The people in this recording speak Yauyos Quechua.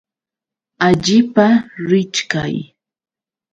Allipa richkay.